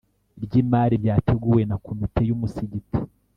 ry imari byateguwe na komite y umusigiti